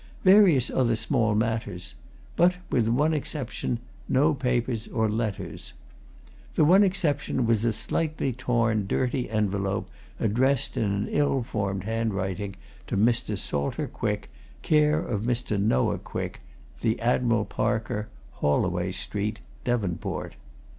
Various other small matters but, with one exception, no papers or letters. The one exception was a slightly torn, dirty envelope addressed in an ill formed handwriting to Mr. Salter Quick, care of Mr. Noah Quick, The Admiral Parker, Haulaway Street, Devonport.